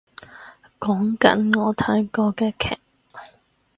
講緊我睇過嘅劇